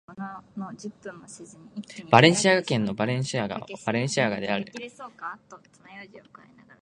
バレンシア県の県都はバレンシアである